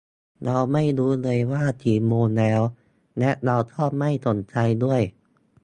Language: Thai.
เราไม่รู้เลยว่ากี่โมงแล้ว และเราก็ไม่สนใจด้วย